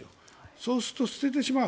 そうすると、捨ててしまう。